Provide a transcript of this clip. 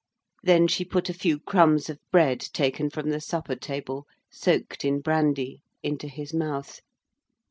Then she put a few crumbs of bread taken from the supper table, soaked in brandy into his mouth.